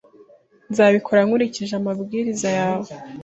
Nzabikora nkurikije amabwiriza yawe.